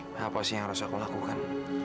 kenapa sih yang harus aku lakukan